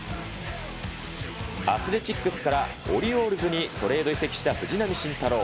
アスレチックスからオリオールズにトレード移籍した藤浪晋太郎。